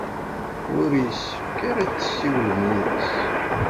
Ur yessefk ara ad tessiwlem yid-s.